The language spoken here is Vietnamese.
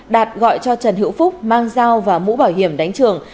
đạt gọi cho trần hữu phúc mang dao và mũ bảo hiểm đánh trường